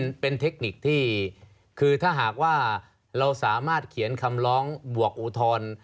เทคนิคที่คือถ้าหากว่าเราสามารถเขียนคำร้องบวกอุทธรณ์